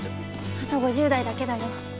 あと５０台だけだよ。